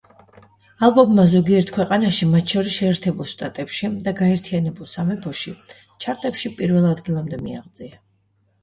ალბომმა ზოგიერთ ქვეყანაში, მათ შორის შეერთებულ შტატებში და გაერთიანებულ სამეფოში, ჩარტებში პირველ ადგილამდე მიაღწია.